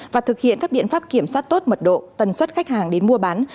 và thực hiện các biện pháp kiểm soát tốt mật độ tần suất khách hàng đến mua bán